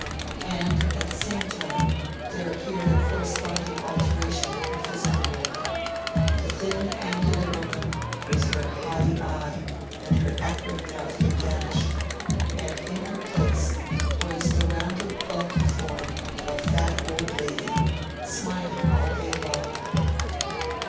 And, at the same time, there appeared a corresponding alteration in her physical mood. The thin, angular woman, with her haughty eye and her acrid mouth, had vanished; and in her place was the rounded, bulky form of a fat old lady, smiling all day long.